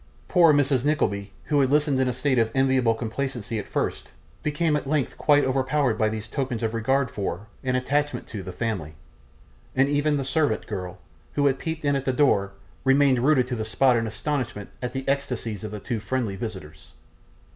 Poor Mrs. Nickleby, who had listened in a state of enviable complacency at first, became at length quite overpowered by these tokens of regard for, and attachment to, the family; and even the servant girl, who had peeped in at the door, remained rooted to the spot in astonishment at the ecstasies of the two friendly visitors.